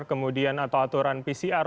kemudian atau aturan pcr